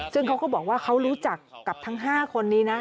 ซึ่งเขาก็บอกว่าเขารู้จักกับทั้ง๕คนนี้นะ